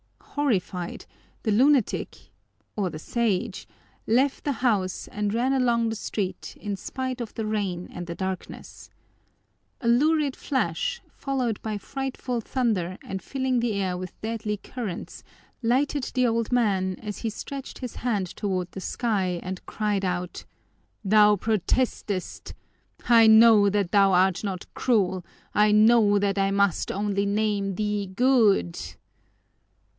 Horrified, the Lunatic or the Sage left the house and ran along the street in spite of the rain and the darkness. A lurid flash, followed by frightful thunder and filling the air with deadly currents, lighted the old man as he stretched his hand toward the sky and cried out: "Thou protestest! I know that Thou art not cruel, I know that I must only name Thee Good!"